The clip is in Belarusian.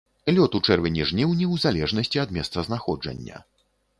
Лёт у чэрвені-жніўні ў залежнасці ад месцазнаходжання.